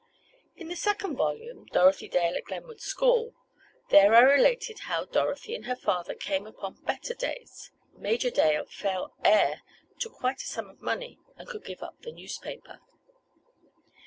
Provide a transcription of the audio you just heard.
In the second volume, "Dorothy Dale at Glenwood School" there I related how Dorothy and her father came upon better days. Major Dale fell heir to quite a sum of money, and could give up the newspaper.